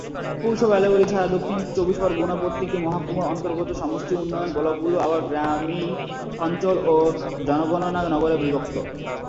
পুরসভা এলাকাগুলি ছাড়া দক্ষিণ চব্বিশ পরগনার প্রত্যেকটি মহকুমার অন্তর্গত সমষ্টি উন্নয়ন ব্লকগুলি আবার গ্রামীণ অঞ্চল ও জনগণনা নগরে বিভক্ত।